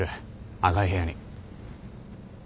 赤い部屋に。